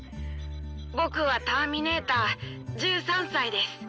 僕はターミネーター１３歳です。